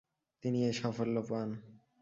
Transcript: তিনি এ সাফল্য পান।